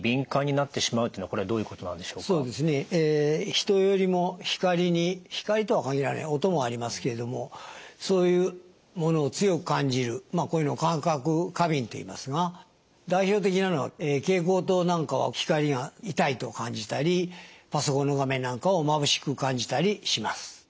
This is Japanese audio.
人よりも光に光とは限らない音もありますけれどもそういうものを強く感じるこういうのを感覚過敏といいますが代表的なのが蛍光灯なんかは光が痛いと感じたりパソコンの画面なんかをまぶしく感じたりします。